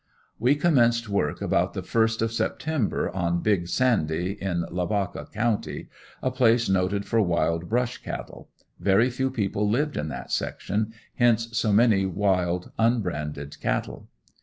We commenced work about the first of September on "Big Sandy" in Lavaca county, a place noted for wild "brush" cattle. Very few people lived in that section, hence so many wild unbranded cattle.